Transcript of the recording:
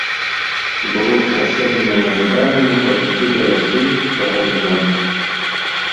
Было страшэннае жаданне пайсці за лясы, за гарызонт.